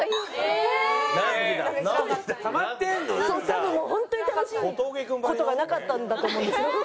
多分本当に楽しい事がなかったんだと思うんですよ。